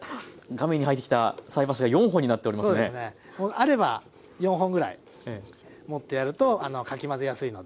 あれば４本ぐらい持ってやるとかき混ぜやすいので。